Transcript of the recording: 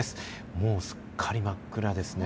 もうすっかり真っ暗ですね。